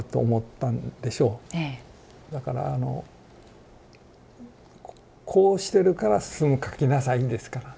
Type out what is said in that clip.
だからあの「こうしてるから晋描きなさい」ですから。